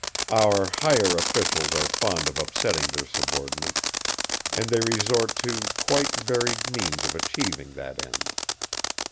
Our higher officials are fond of upsetting their subordinates, and they resort to quite varied means of achieving that end.